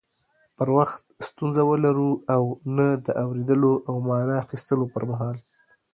پر وخت ستونزه ولرو او نه د اوريدلو او معنی اخستلو پر مهال